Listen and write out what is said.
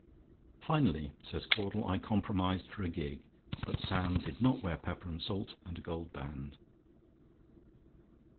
"Finally," says Caudle, "I compromised for a gig; but Sam did not wear pepper and salt and a gold band."